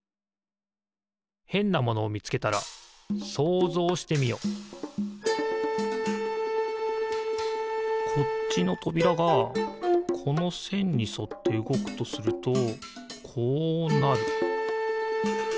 へんなものをみつけたらこっちのとびらがこのせんにそってうごくとするとこうなる。